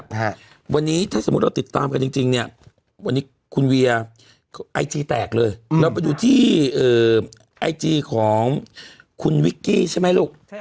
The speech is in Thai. ฮะวันนี้ถ้าสมมุติเราติดตามกันจริงจริงเนี้ยวันนี้คุณเวียไอจีแตกเลยเราไปดูที่เอ่อไอจีของคุณวิกกี้ใช่ไหมลูกใช่